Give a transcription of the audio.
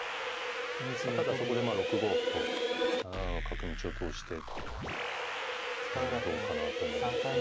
ただそこで６五歩と７七の角道を通してどうかなと思いますね。